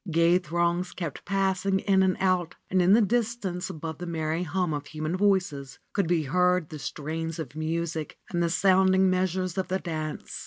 Gay throngs kept passing in and out, and in the distance above the merry hum of human voices could be heard the strains of music and the sounding measures of the dance.